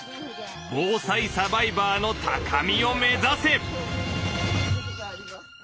防災サバイバーの高みを目指せ！